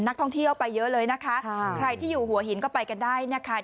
นักท่องเที่ยวไปเยอะเลยนะคะใครที่อยู่หัวหินก็ไปกันได้นะคะ